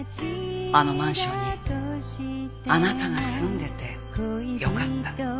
あのマンションにあなたが住んでてよかった。